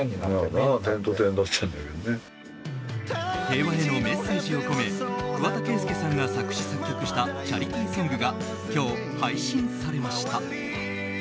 平和へのメッセージを込め桑田佳祐さんが作詞・作曲したチャリティーソングが今日、配信されました。